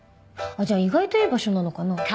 じゃあ意外といい場所なのかな？